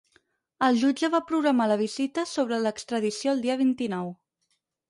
El jutge va programar la vista sobre l’extradició el dia vint-i-nou.